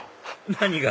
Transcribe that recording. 何が？